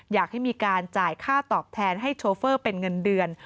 อยากให้มีการจ่ายค่าตอบแทน